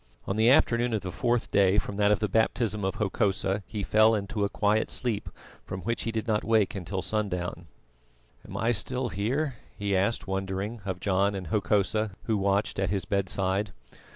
On the afternoon of the fourth day from that of the baptism of Hokosa he fell into a quiet sleep, from which he did not wake till sundown. "Am I still here?" he asked wondering, of John and Hokosa who watched at his bedside.